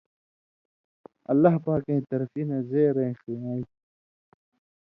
اللہ پاکَیں طرفی نہ زېرئ ݜُون٘یالیۡ